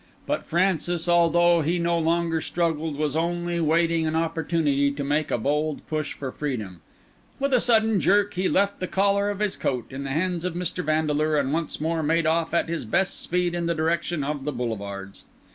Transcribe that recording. But Francis, although he no longer struggled, was only waiting an opportunity to make a bold push for freedom. With a sudden jerk he left the collar of his coat in the hands of Mr. Vandeleur, and once more made off at his best speed in the direction of the Boulevards.